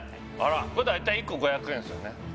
これ大体１個５００円ですよね